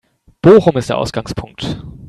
Bochum ist der Ausgangpunkt